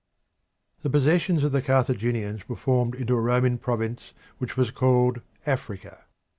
The possessions of the Carthaginians were formed into a Roman province which was called Africa.